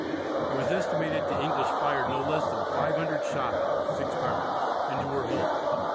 It was estimated that the English fired no less than 500 shot (6 pounders) into her hull.